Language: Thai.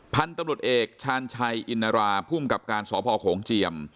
พันธุ์ตำรวจเอกชาญชัยอินราภูมิกับการสพโขงเจียม